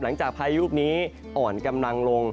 หลังจากพายุลูกนี้อ่อนกำลังลง